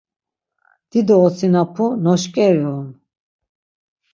Dido osinapu noşǩeri on.